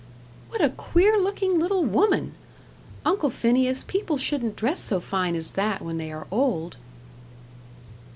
"What a queer looking little woman! Uncle Phineas, people shouldn't dress so fine as that when they are old."